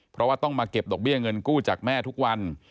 เพราะว่าต้องมาเก็บดอกเบี้ยเงินกู้จากแม่ทุกวัน